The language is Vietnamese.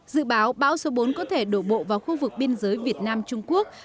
dự báo bão số bốn có thể đổ bộ vào khu vực biên giới việt nam trung quốc